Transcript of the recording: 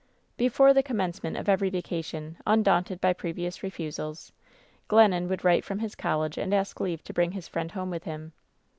"Before the commencement of every vacation, un daunted by previous refusals, Glennon would write from his college, and ask leave to bring his friend home with him.